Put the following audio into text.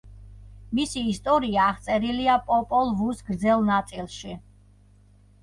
მისი ისტორია აღწერილია პოპოლ ვუს გრძელ ნაწილში.